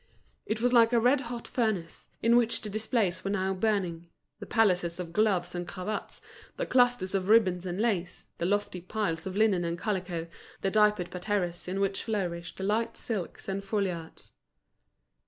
It was like a red hot furnace, in which the displays were now burning, the palaces of gloves and cravats, the clusters of ribbons and lace, the lofty piles of linen and calico, the diapered parterres in which flourished the light silks and foulards.